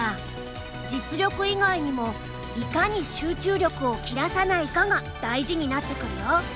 実力以外にもいかに集中力を切らさないかが大事になってくるよ。